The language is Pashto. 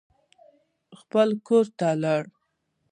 ده خپل کور ته لاړ.